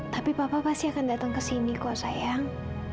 tapi papa pasti akan datang ke sini kok sayang